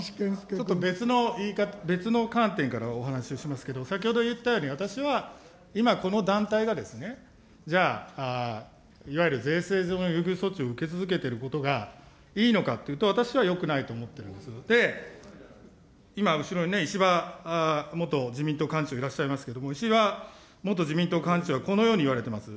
ちょっと別の言い方、別の観点からお話をしますけれども、先ほど言ったように、私は今、この団体がじゃあ、いわゆる税制上の優遇措置を受け続けていることがいいのかっていうと、私はよくないと思ってますので、今後ろに石破基自民党幹事長、いらっしゃいますけれども、石破元自民党幹事長はこのように言われてます。